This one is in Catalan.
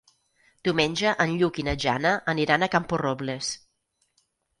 Diumenge en Lluc i na Jana aniran a Camporrobles.